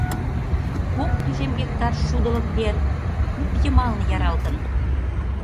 Кок тӱжем гектар шудылык вер куп йымалне яралтын.